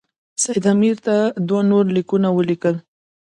سید امیر ته دوه نور لیکونه ولیکل.